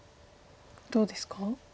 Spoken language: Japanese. どうですか？